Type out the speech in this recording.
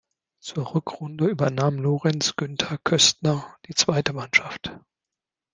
Zur Rückrunde übernahm Lorenz-Günther Köstner die zweite Mannschaft.